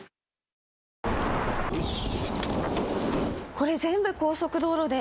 これ全部高速道路で。